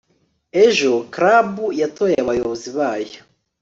ejo club yatoye abayobozi bayo